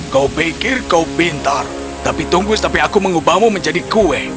kau pikir kau pintar tapi tunggu sampai aku mengubahmu menjadi kue